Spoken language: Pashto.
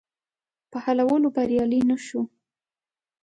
په حلولو بریالی نه شو.